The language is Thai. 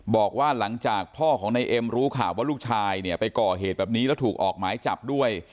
บอกว่าหลังจากพ่อของนายเอ็มรู้ข่าวว่าลูกชายเนี่ยไปก่อเหตุแบบนี้แล้วถูกออกหมายจับด้วย